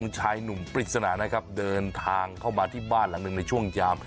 ชายหนุ่มปริศนานะครับเดินทางเข้ามาที่บ้านหลังหนึ่งในช่วงยาม